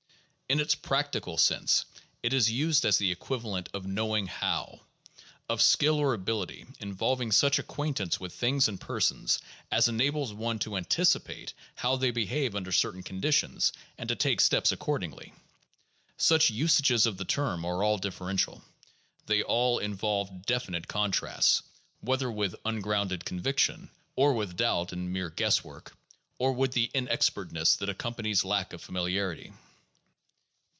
In its practical sense, it is used as the equivalent of "knowing how," of skill or ability in volving such acquaintance with things and persons as enables one to anticipate how they behave under certain conditions and to take steps accordingly. Such usages of the term are all differential ; they all in volve definite contrasts — whether with ungrounded conviction, or with doubt and mere guesswork, or with the inexpertness that accom panies lack of familiarity.